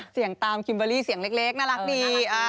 เสียงตามคิมเบอร์รี่เสียงเล็กน่ารักดี